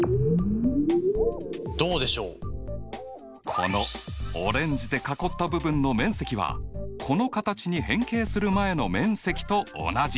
このオレンジで囲った部分の面積はこの形に変形する前の面積と同じ。